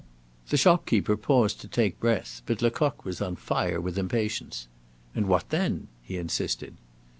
The shopkeeper paused to take breath; but Lecoq was on fire with impatience. "And what then?" he insisted.